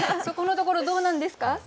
そこのところどうなんですか？